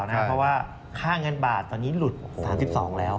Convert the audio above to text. เพราะว่าค่าเงินบาทตอนนี้หลุด๓๒แล้ว